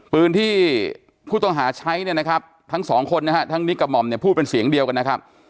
ปืนที่ผู้ต้องหาใช้เนี่ยนะครับทั้งสองคนนะฮะทั้งนิกกับหม่อมเนี่ยพูดเป็นเสียงเดียวกันนะครับ